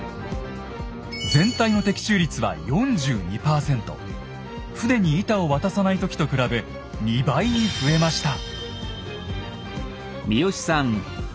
全体の船に板を渡さない時と比べ２倍に増えました。